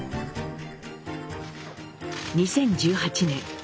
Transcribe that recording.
２０１８年